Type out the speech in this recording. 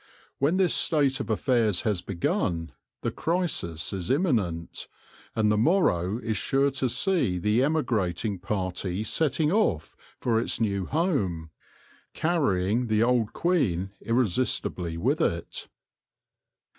When this state of affairs has begun, the crisis is imminent ; and the morrow is sure to see the emi grating party setting off for its new home, carrying the old queen irresistibly with it.